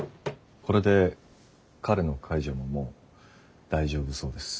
これで彼の介助ももう大丈夫そうです。